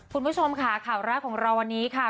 คุณผู้ชมค่ะข่าวแรกของเราวันนี้ค่ะ